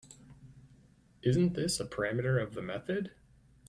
Isn’t this a parameter of the method?